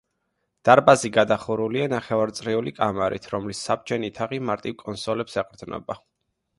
დარბაზი გადახურულია ნახევარწრიული კამარით, რომლის საბჯენი თაღი მარტივ კონსოლებს ეყრდნობა.